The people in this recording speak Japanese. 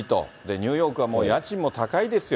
ニューヨークはもう家賃も高いですよ。